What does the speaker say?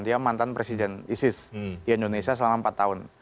dia mantan presiden isis di indonesia selama empat tahun